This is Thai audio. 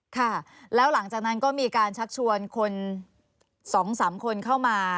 ค่ะแล้วหลังจากนั้นก็มีการชักชวนคน๒๓คนเข้ามา